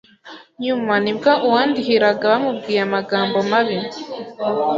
nyuma nibwo uwandihiraga bamubwiye amagambo mabi